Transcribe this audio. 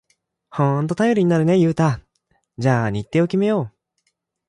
ほんと頼りになるね、ユウタ。じゃあ日程を決めよう！